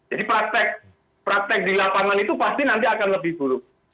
jadi praktek di lapangan itu pasti nanti akan lebih buruk